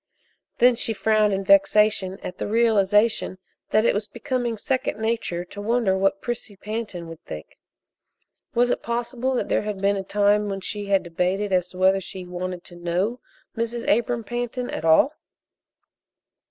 Then she frowned in vexation at the realization that it was becoming second nature to wonder what Prissy Pantin would think. Was it possible that there had been a time when she had debated as to whether she wanted to know Mrs. Abram Pantin at all?